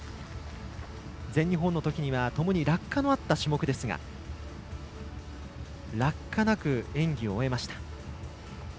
全日本のときにはともに落下のあった種目ですが落下なく演技を終えました。